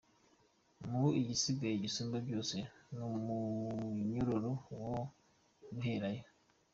Ubu igisigaye gisumba vyose n’umunyororo wo guherayo.